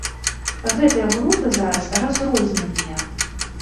Гэтыя групы зараз разрозненыя.